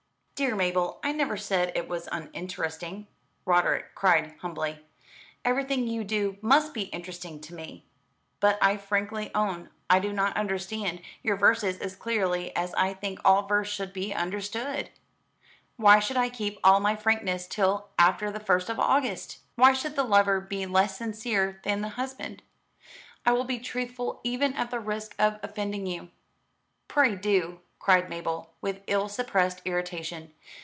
"Dear Mabel, I never said it was uninteresting," Roderick cried humbly; "everything you do must be interesting to me. But I frankly own I do not understand your verses as clearly as I think all verse should be understood. Why should I keep all my frankness till after the first of August? Why should the lover be less sincere than the husband? I will be truthful even at the risk of offending you." "Pray do," cried Mabel, with ill suppressed irritation.